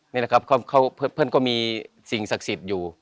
นี่แหละครับเพื่อนก็มีสิ่งศักดิ์สิทธิ์อยู่